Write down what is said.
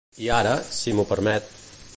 I ara, si m'ho permet.